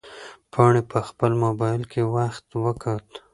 پاڼې په خپل موبایل کې وخت وکوت.